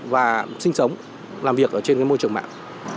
và sinh sống làm việc ở trên môi trường mạng